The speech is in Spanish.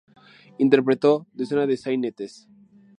Interpretó decenas de sainetes.